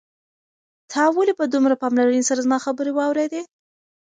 تا ولې په دومره پاملرنې سره زما خبرې واورېدې؟